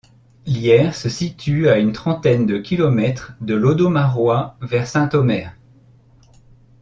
Lières se situe à une trentaine de kilomètres de l'audomarois vers Saint-Omer.